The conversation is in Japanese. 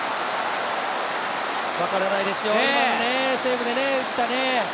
分からないですよね、今のセーブでね、藤田ね。